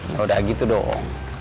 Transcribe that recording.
yaudah gitu dong